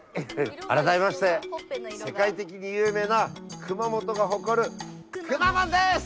あらためまして世界的に有名な熊本が誇るくまモンです。